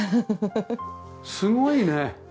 すごいね。